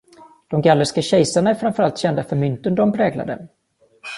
De gallerska kejsarna är framför allt kända för mynten de präglade.